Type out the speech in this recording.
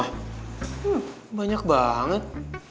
hmm banyak banget